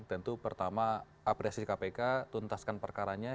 tentu pertama apresiasi kpk tuntaskan perkaranya